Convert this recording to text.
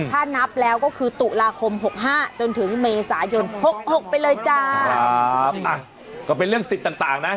ถ้านับแล้วก็คือตุลาคมหกห้าจนถึงเมษายนหกหกไปเลยจ้าครับอ่ะก็เป็นเรื่องสิทธิ์ต่างต่างนะ